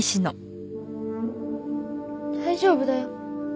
大丈夫だよ。